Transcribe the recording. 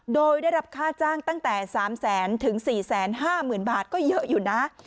โดยได้รับค่าจ้างตั้งแต่๓แสนถึง๔๕๐๐๐บาทก็เยอะอยู่นะ